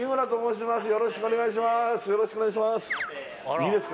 よろしくお願いします